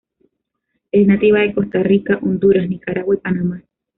Es nativa de Costa Rica, Honduras, Nicaragua y Panamá.